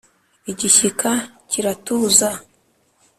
igishyika kiratuza